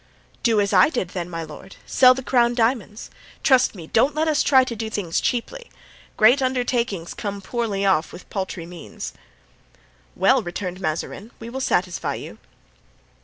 "Do then as I did, my lord. Sell the crown diamonds. Trust me, don't let us try to do things cheaply. Great undertakings come poorly off with paltry means." "Well," returned Mazarin, "we will satisfy you."